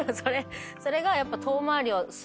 それがやっぱ。